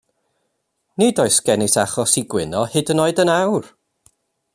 Nid oes gennyt achos i gwyno hyd yn oed yn awr.